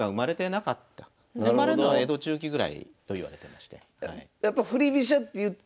生まれんのは江戸中期ぐらいといわれてまして。